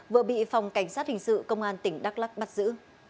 vừa bị phòng cảnh sát hình sự công an tp đắc lắc bắt giữ